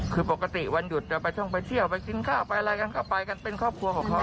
คือปกติวันหยุดจะไปท่องไปเที่ยวไปกินข้าวไปอะไรกันก็ไปกันเป็นครอบครัวของเขา